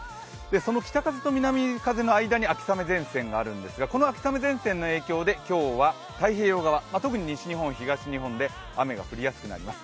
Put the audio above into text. その北風と南風の間に秋雨前線があるんですがこの秋雨前線の影響で今日は太平洋側、特に西日本、東日本で雨が降りやすくなります。